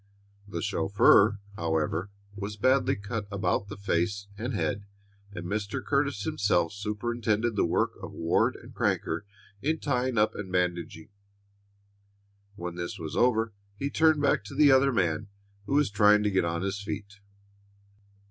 The chauffeur, however, was badly cut about the face and head, and Mr. Curtis himself superintended the work of Ward and Crancher in tying up and bandaging. When this was over he turned back to the other man, who was trying to get on his feet.